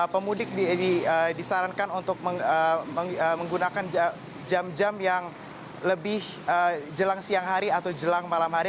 pemudik disarankan untuk menggunakan jam jam yang lebih jelang siang hari atau jelang malam hari